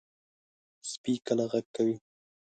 سپي کله غږ کوي.